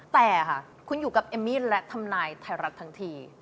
แต่ค่ะคุณอยู่กับเอมมี่และทำนายไทยรัฐทั้งที